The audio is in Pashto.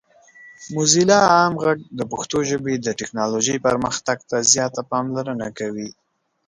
موزیلا عام غږ د پښتو ژبې د ټیکنالوجۍ پرمختګ ته زیاته پاملرنه کوي.